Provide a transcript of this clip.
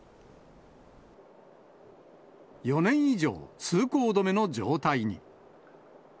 ４年以上、通行止めの状態に。